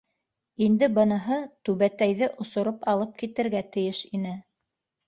Инде быныһы түбәтәйҙе осороп алып китергә тейеш ине.